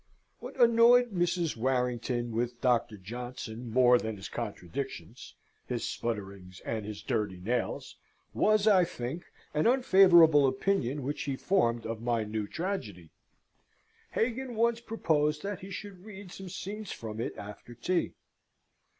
What annoyed Mrs. Warrington with Dr. Johnson more than his contradictions, his sputterings, and his dirty nails, was, I think, an unfavourable opinion which he formed of my new tragedy. Hagan once proposed that he should read some scenes from it after tea.